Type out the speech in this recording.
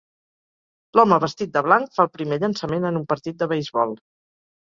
L'home vestit de blanc fa el primer llançament en un partit de beisbol.